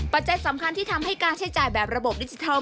จัยสำคัญที่ทำให้การใช้จ่ายแบบระบบดิจิทัล